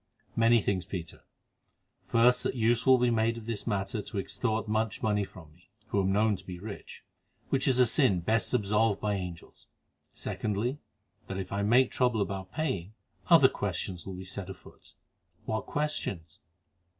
"Many things, Peter. First, that use will be made of this matter to extort much money from me, who am known to be rich, which is a sin best absolved by angels. Secondly, that if I make trouble about paying, other questions will be set afoot." "What questions?"